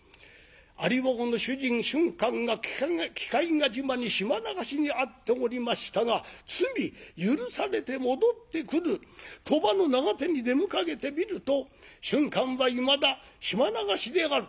有王の主人俊寛が鬼界ヶ島に島流しに遭っておりましたが罪許されて戻ってくる鳥羽の長手に出迎えてみると俊寛はいまだ島流しである。